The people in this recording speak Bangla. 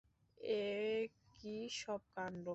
এ কী সব কাণ্ড!